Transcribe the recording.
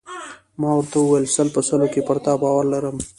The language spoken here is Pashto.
ما ورته وویل: سل په سلو کې پر تا باور لرم.